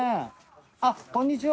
あっこんにちは。